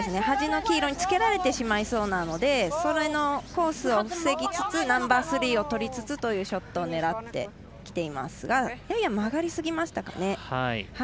端の黄色につけられてしまいそうなのでそれのコースを防ぎつつナンバースリーを取りつつというショットを狙ってきていますがやや曲がりすぎましたかね。